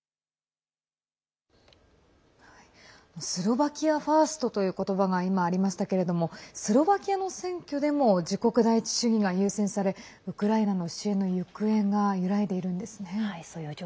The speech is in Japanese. スロバキアファーストという言葉が今、ありましたけれどもスロバキアの選挙でも自国第一主義が優先されウクライナの支援の行方が揺らいでいるんですね。